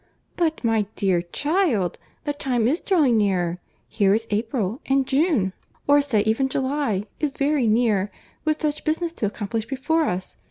"But, my dear child, the time is drawing near; here is April, and June, or say even July, is very near, with such business to accomplish before us.